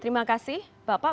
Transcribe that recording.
terima kasih bapak